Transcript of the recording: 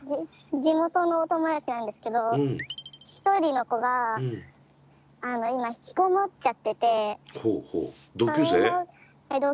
地元のお友達なんですけど１人の子が今ひきこもっちゃっててほうほう。